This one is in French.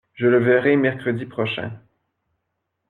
Je le verrai mercredi prochain.